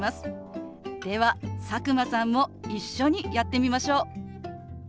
では佐久間さんも一緒にやってみましょう。